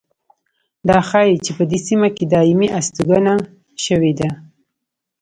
دا ښيي چې په دې سیمه کې دایمي هستوګنه شوې ده.